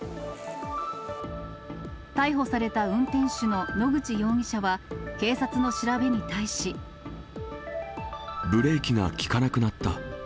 逮捕された運転手の野口容疑者は、警察の調べに対し。ブレーキが利かなくなった。